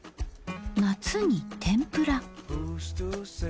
夏に天ぷら。